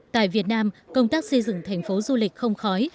tại việt nam công tác xây dựng thành phố du lịch không khói